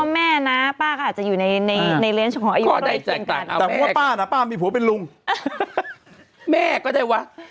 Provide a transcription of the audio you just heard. บางคนอาจจะเป็นยายก็ได้